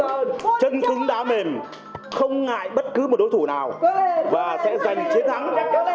chân cứng đá mềm không ngại bất cứ một đối thủ nào và sẽ giành chiến thắng